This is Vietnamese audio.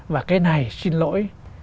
và cái này xin lỗi